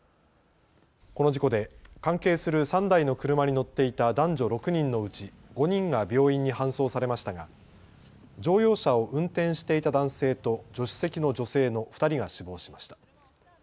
この事故で関係する３台の車に乗っていた男女６人のうち５人が病院に搬送されましたが乗用車を運転していた男性と助手席の女性の２人が死亡しました。